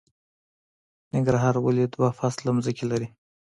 ننګرهار ولې دوه فصله ځمکې لري؟